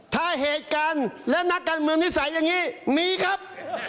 ถ้าเหตุการณ์และนักการเมืองนิสัยอย่างนี้มีครับ